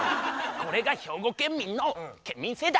これが兵庫県民の県民性だ！